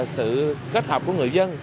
sự kết hợp của người dân